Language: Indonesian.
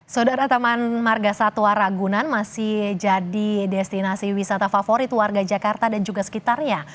saudara taman marga satwa ragunan masih jadi destinasi wisata favorit warga jakarta dan juga sekitarnya